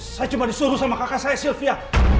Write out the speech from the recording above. saya cuma disuruh sama kakak saya sylvia